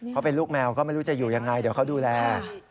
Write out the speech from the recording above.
เขาเป็นลูกแมวก็ไม่รู้จะอยู่ยังไงเดี๋ยวเขาดูแล